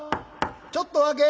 ちょっとお開け。